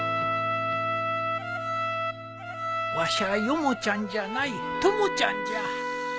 わしゃヨモちゃんじゃないトモちゃんじゃ。